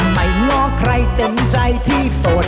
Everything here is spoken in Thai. ง้อใครเต็มใจที่โสด